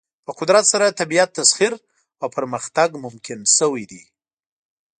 په قدرت سره طبیعت تسخیر او پرمختګ ممکن شوی دی.